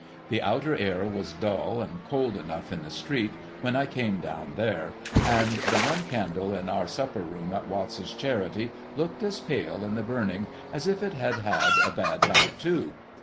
The outer air was dull and cold enough in the street, when I came down there ; and the one candle in our supper room at Watts's Charity looked as pale in the burning as if it had had a bad night too.